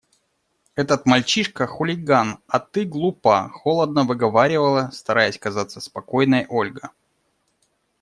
Этот мальчишка – хулиган, а ты глупа, – холодно выговаривала, стараясь казаться спокойной, Ольга.